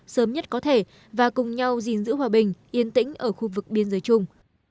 sớm nhất có thể và cùng nhau gìn giữ hòa bình yên tĩnh ở khu vực biên giới chung